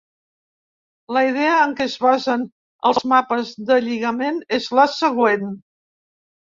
La idea en què es basen els mapes de lligament és la següent.